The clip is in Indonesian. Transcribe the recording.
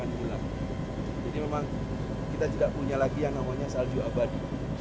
memang kita juga punya lagi yang namanya salju abadi